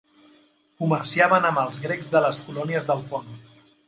Comerciaven amb els grecs de les colònies del Pont.